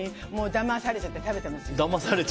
だまされちゃって食べてます。